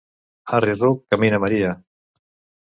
Arri, ruc! Camina, Maria.